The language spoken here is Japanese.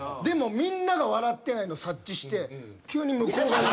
でもみんなが笑ってないの察知して急に向こう。